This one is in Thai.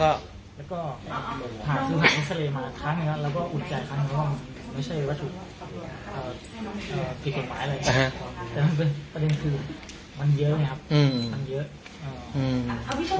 แต่ประเด็นคือมันเยอะไงครับมันเยอะ